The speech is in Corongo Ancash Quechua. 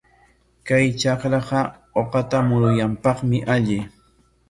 Kay trakraqa uqata murunapaqmi alli.